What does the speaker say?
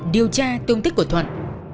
điều tra tương tích của thuận